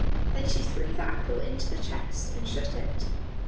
Then she threw the apple into the chest, and shut it.